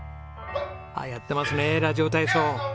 やってますねラジオ体操！